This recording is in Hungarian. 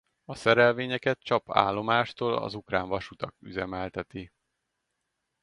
A szerelvényeket Csap állomástól az Ukrán Vasutak üzemelteti.